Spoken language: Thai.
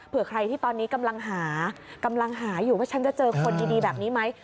เผื่อใครที่ตอนนี้กำลังหาอยู่ว่าฉันจะเจอคนดีแบบนี้ไหม